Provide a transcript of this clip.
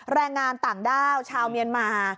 แรงงานต่างด้าวชาวเมียนมา